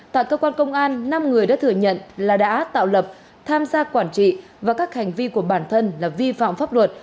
tại cơ quan công an năm người đã thừa nhận là đã tạo lập tham gia quản trị và các hành vi của bản thân là vi phạm pháp luật